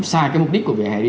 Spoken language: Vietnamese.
sai cái mục đích của vỉa hè đi